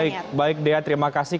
baik baik dea terima kasih